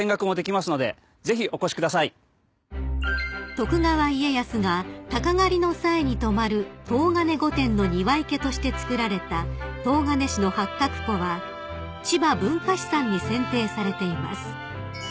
［徳川家康がタカ狩りの際に泊まる東金御殿の庭池として造られた東金市の八鶴湖はちば文化資産に選定されています］